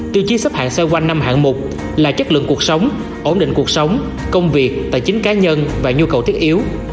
tiêu chí xếp hạng xoay quanh năm hạng mục là chất lượng cuộc sống ổn định cuộc sống công việc tài chính cá nhân và nhu cầu thiết yếu